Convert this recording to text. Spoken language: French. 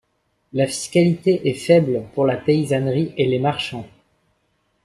La fiscalité est faible pour la paysannerie et les marchands.